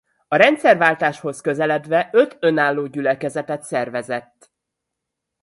A rendszerváltáshoz közeledve öt önálló gyülekezetet szervezett.